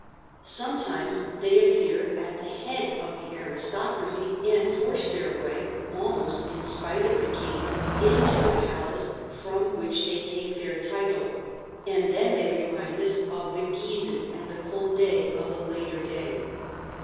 Sometimes they appear at the head of tlie aristocracy and force their way, al most in spite of the king, into the palace from which they take their title, and then they remind us of the Guises and the Condes of a later day.